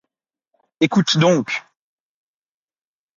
Écoute donc!